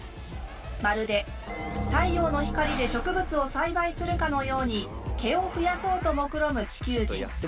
まるで太陽の光で植物を栽培するかのように毛を増やそうともくろむ地球人。